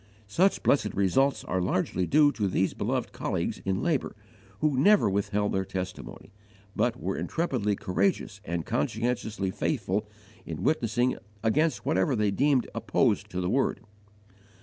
Such blessed results are largely due to these beloved colleagues in labour who never withheld their testimony, but were intrepidly courageous and conscientiously faithful in witnessing against whatever they deemed opposed to the Word.